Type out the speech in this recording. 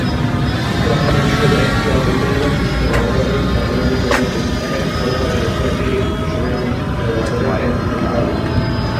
উদাহরণস্বরূপ, একটি অ-ঘূর্ণায়মান কৃষ্ণগহ্বরের ঘটনা দিগন্তের ভেতরে থাকা যেকোন পর্যবেক্ষক একটি নির্দিষ্ট সময়ের মধ্যে কৃষ্ণগহ্বরের কেন্দ্রে পতিত হবে।